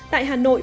tại hà nội